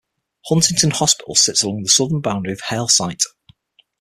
Huntington Hospital sits along the southern boundary of Halesite.